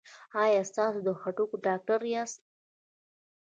ایا تاسو د هډوکو ډاکټر یاست؟